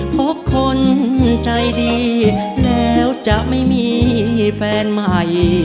พบคนใจดีแล้วจะไม่มีแฟนใหม่